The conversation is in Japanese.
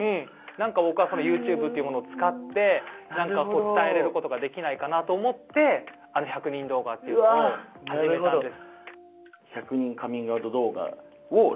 何か僕はＹｏｕＴｕｂｅというものを使って何か伝えれることができないかなと思って１００人動画っていうものを始めたんです。